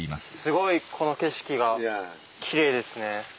すごいこの景色がきれいですね。